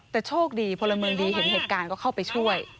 แต่โชคดีพลเมืองดีเห็นเหตุการณ์ก็เข้าไปช่วย